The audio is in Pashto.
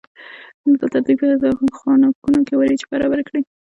نور دلته دوی په خانکونو کې وریجې برابرې کړې.